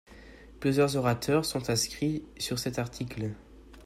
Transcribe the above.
Plusieurs orateurs sont inscrits sur cet article.